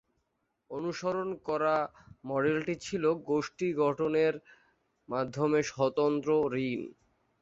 অনুসরণ করা মডেলটি ছিল গোষ্ঠী গঠনের মাধ্যমে স্বতন্ত্র ঋণ।